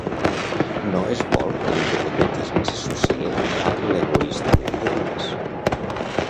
No es vol que l'independentisme s'associï a l'egoistament de diners.